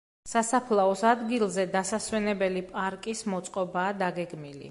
სასაფლაოს ადგილზე დასასვენებელი პარკის მოწყობაა დაგეგმილი.